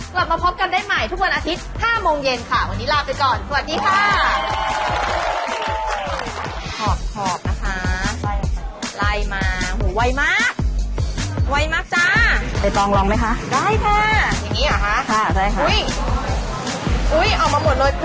กลับมาพบกันได้ใหม่ทุกวันอาทิตย์๕โมงเย็นค่ะวันนี้ลาไปก่อนสวัสดีค่ะ